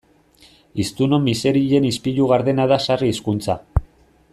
Hiztunon miserien ispilu gardena da sarri hizkuntza.